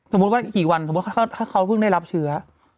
ว่ากี่วันสมมุติถ้าเขาเพิ่งได้รับเชื้อ